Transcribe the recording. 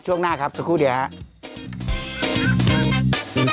ช่วงหน้าครับสักครู่เดียวครับ